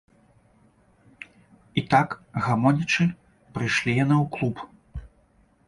І так, гамонячы, прыйшлі яны ў клуб.